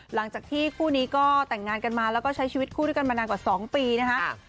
หลังจากที่คู่นี้ก็แต่งงานกันมาแล้วก็ใช้ชีวิตคู่ด้วยกันมานานกว่า๒ปีนะคะ